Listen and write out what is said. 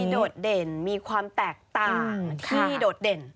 โดดเด่นมีความแตกต่างที่โดดเด่น